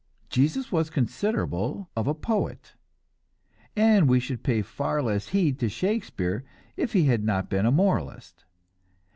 Jesus was considerable of a poet, and we should pay far less heed to Shakespeare if he had not been a moralist.